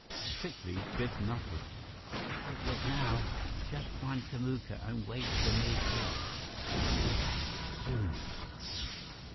Quickly, Biff muttered: "Don't look now. Just find Kamuka and wait for me here. I'll be back soon."